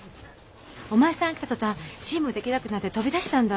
お前さんが来た途端辛抱できなくなって飛び出したんだ。